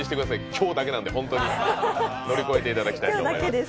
今日だけなんで、ホントに乗り越えていただきたいと思います。